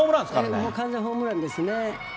もう完全、ホームランですね。